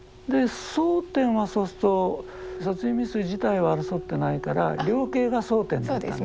争点はそうすると殺人未遂自体は争ってないから量刑が争点だったんですね。